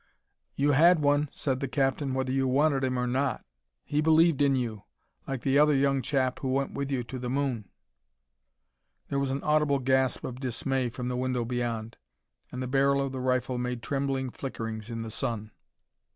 "You had one," said the captain, "whether you wanted him or not. He believed in you like the other young chap who went with you to the moon." There was an audible gasp of dismay from the window beyond, and the barrel of the rifle made trembling flickerings in the sun.